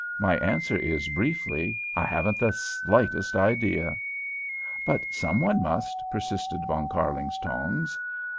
My answer is, briefly, I haven't the slightest idea." "But some one must," persisted Von Kärlingtongs.